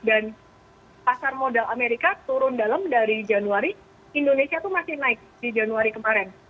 dan pasar modal amerika turun dalam dari januari indonesia tuh masih naik di januari kemarin